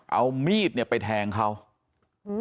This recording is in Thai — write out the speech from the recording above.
เอามีดเนี้ยไปแทงเขาอืม